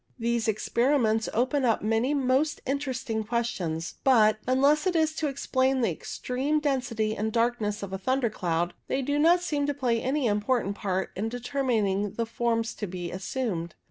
These experiments open up many most interesting questions, but, unless it is to explain the extreme density and darkness of a thunder cloud, they do not seem to play any important part in determining the forms to be assumed.